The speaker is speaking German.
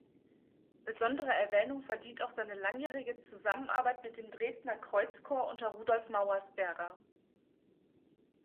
Besondere Erwähnung verdient auch seine langjährige Zusammenarbeit mit dem Dresdner Kreuzchor unter Rudolf Mauersberger.